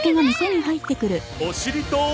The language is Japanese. お尻と。